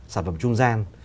sản phẩm trung gian